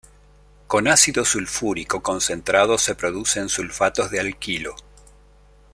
Con ácido sulfúrico concentrado se producen sulfatos de alquilo.